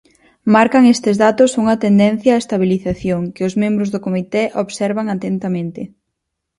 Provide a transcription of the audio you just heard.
Marcan estes datos unha tendencia á estabilización, que os membros do comité observan atentamente.